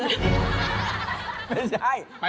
อืม